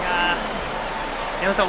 矢野さん